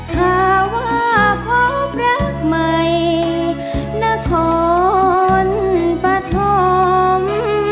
ข้าว่าพบรักใหม่นครปธรรม